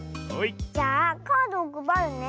じゃあカードをくばるね。